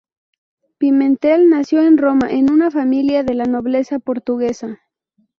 Pimentel nació en Roma en una familia de la nobleza portuguesa.